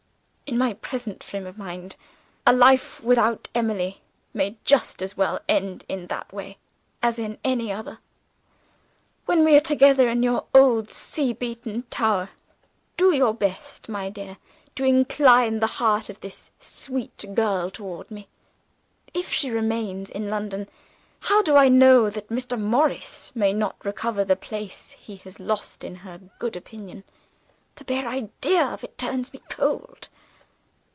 In my present frame of mind, a life without Emily may just as well end in that way as in any other. When we are together in your old sea beaten tower, do your best, my dear, to incline the heart of this sweet girl toward me. If she remains in London, how do I know that Mr. Morris may not recover the place he has lost in her good opinion? The bare idea of it turns me cold.